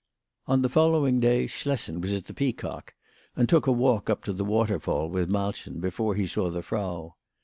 On the following day Schlessen was at the Peacock, and took a walk up to the waterfall with Malchen before he saw the Frau.